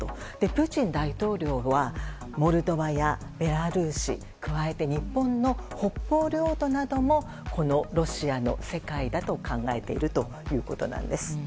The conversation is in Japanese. プーチン大統領はモルドバやベラルーシ加えて日本の北方領土などもこのロシアの世界だと考えているということなんです。